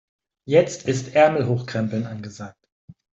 Jetzt ist Ärmel hochkrempeln angesagt.